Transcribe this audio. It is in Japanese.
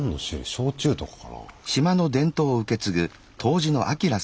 焼酎とかかな。